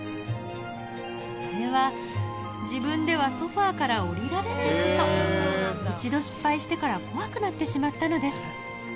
それは自分ではソファから下りられないこと一度失敗してから怖くなってしまったのです